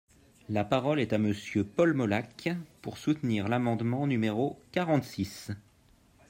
La parole est à Monsieur Paul Molac, pour soutenir l’amendement numéro quarante-six.